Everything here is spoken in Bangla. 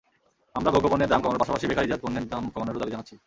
আমরা ভোগ্যপণ্যের দাম কমানোর পাশাপাশি বেকারিজাত পণ্যের দাম কমানোরও দাবি জানাচ্ছি।